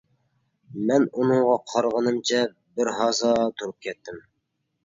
مەن ئۇنىڭغا قارىغىنىمچە بىر ھازا تۇرۇپ كەتتىم.